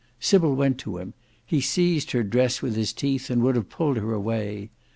Sybil went to him: he seized her dress with his teeth and would have pulled her away.